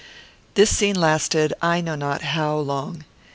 This scene lasted I know not how long.